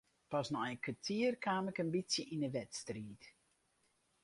Pas nei in kertier kaam ik in bytsje yn de wedstriid.